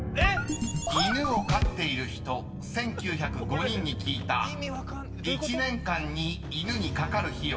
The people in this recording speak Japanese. ［犬を飼っている人１，９０５人に聞いた１年間に犬にかかる費用